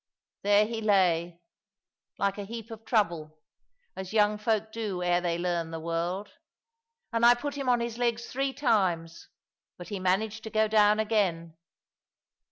There he lay, like a heap of trouble, as young folk do ere they learn the world; and I put him on his legs three times, but he managed to go down again.